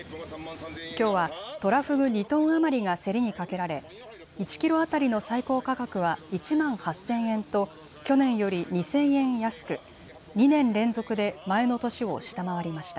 きょうはトラフグ２トン余りが競りにかけられ１キロ当たりの最高価格は１万８０００円と去年より２０００円安く２年連続で前の年を下回りました。